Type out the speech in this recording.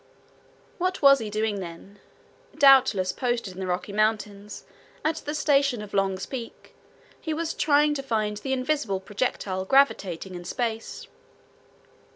What was he doing then? Doubtless, posted in the Rocky Mountains, at the station of Long's Peak, he was trying to find the invisible projectile gravitating in space.